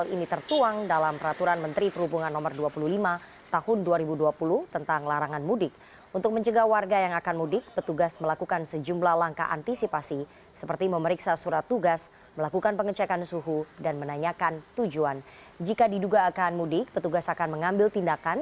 idul fitri bagaimana sebetulnya tetap